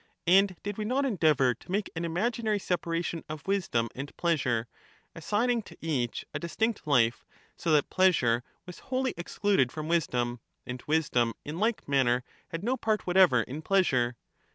And did we not endeavour to make an imaginary separation of wisdom and pleasure, assigning to each a distinct life, so that pleasure was wholly excluded from wisdom, and wisdom in like manner had no part whatever in pleasure